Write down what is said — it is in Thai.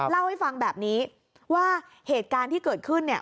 เล่าให้ฟังแบบนี้ว่าเหตุการณ์ที่เกิดขึ้นเนี่ย